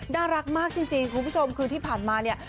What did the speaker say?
น่ารักมากจริงคุณผู้ชมคือที่ผ่านมาเนี่ย